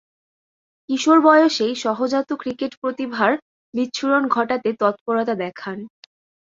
কিশোর বয়সেই সহজাত ক্রিকেট প্রতিভার বিচ্ছুরণ ঘটাতে তৎপরতা দেখান।